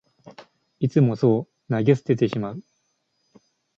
いつもそう投げ捨ててしまう